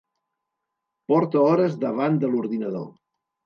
Porta hores davant de l'ordinador.